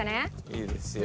いいですよ。